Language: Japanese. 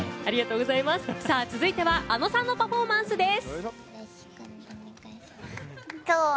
続いては、ａｎｏさんのパフォーマンスです。